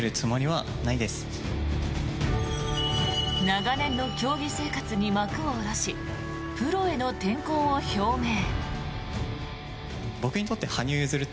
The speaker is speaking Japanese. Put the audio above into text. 長年の競技生活に幕を下ろしプロへの転向を表明。